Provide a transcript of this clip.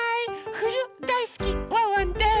ふゆだいすきワンワンです！